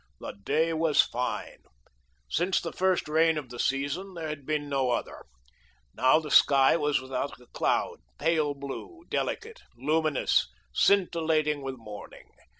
The day was fine. Since the first rain of the season, there had been no other. Now the sky was without a cloud, pale blue, delicate, luminous, scintillating with morning.